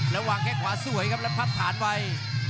แล้ววางแค่ขวาสวยครับแล้วพับฐานไว้